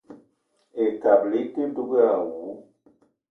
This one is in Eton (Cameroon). Ekabili i te dug èè àwu